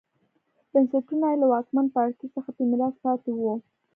بنسټونه یې له واکمن پاړکي څخه په میراث پاتې وو